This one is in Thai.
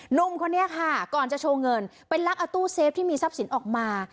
หนุ่มคนนี้ค่ะก่อนจะโชว์เงินไปลักเอาตู้เซฟที่มีทรัพย์สินออกมา